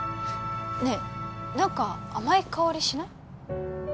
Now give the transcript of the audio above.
ねえ何か甘い香りしない？